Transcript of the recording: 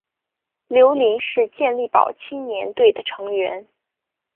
刘麟是健力宝青年队的成员。